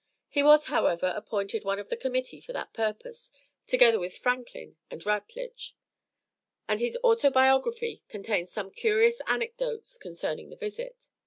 He was, however, appointed one of the committee for that purpose, together with Franklin and Rutledge, and his autobiography contains some curious anecdotes concerning the visit.